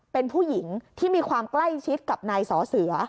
เป็นผู้หญิงที่มีความใกล้ชิดกับนายสอเสือ